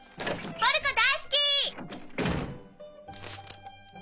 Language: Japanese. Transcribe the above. ポルコ大好き！